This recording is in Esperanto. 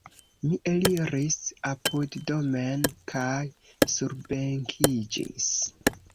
Mi eliris apuddomen kaj surbenkiĝis.